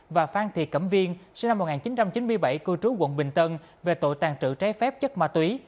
và phan thị cẩm viên sinh năm một nghìn chín trăm chín mươi bảy cư trú quận bình tân về tội tàn trự trái phép chất ma túy